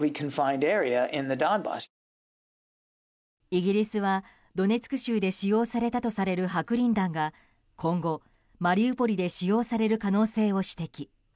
イギリスはドネツク州で使用されたとされる白リン弾が今後、マリウポリで使用される可能性を指摘。